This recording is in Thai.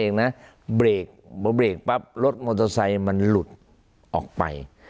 เอ็กน่ะเบสเบรกปรับรถโมทอไซค์มันหลุดออกไป